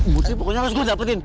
murthy pokoknya harus gue dapetin